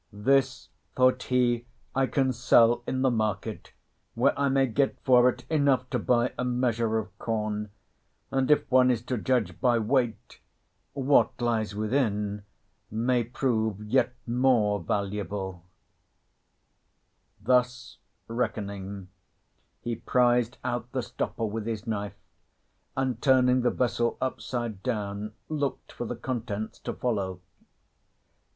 "This," thought he, "I can sell in the market, where I may get for it enough to buy a measure of corn; and, if one is to judge by weight, what lies within may prove yet more valuable." [Illustration: And there in its midst stood a mighty Genie.] Thus reckoning, he prised out the stopper with his knife, and turning the vessel upside down looked for the contents to follow.